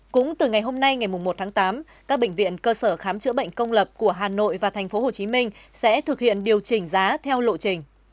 cũng từ ngày hôm nay ngày một tháng tám các bệnh viện cơ sở khám chữa bệnh công lập của hà nội và tp hcm sẽ thực hiện điều chỉnh giá theo lộ trình